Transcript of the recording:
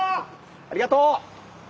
ありがとう！